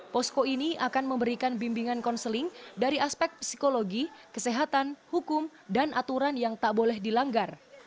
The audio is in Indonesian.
posko ini akan memberikan bimbingan konseling dari aspek psikologi kesehatan hukum dan aturan yang tak boleh dilanggar